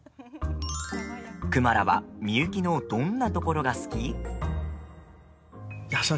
クマラはミユキのどんなところが好き？